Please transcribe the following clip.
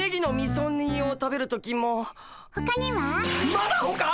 まだほか！？